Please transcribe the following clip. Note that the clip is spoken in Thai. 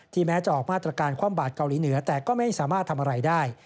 แม้จะออกมาตรการความบาดเกาหลีเหนือแต่ก็ไม่สามารถทำอะไรได้